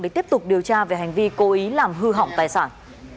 để tiếp tục điều tra về hành vi cố ý làm hư hỏng tài sản